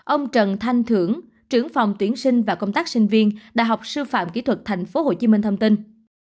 ông trần thanh thưởng trưởng phòng tuyển sinh và công tác sinh viên đại học sư phạm kỹ thuật tp hcm thông tin